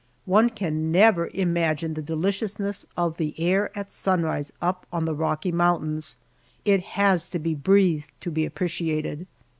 One can never imagine the deliciousness of the air at sunrise up on the Rocky Mountains, It has to be breathed to be appreciated.